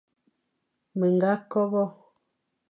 Me ñga kobe,